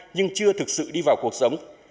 nhưng chưa thực sự đi vào cuộc sống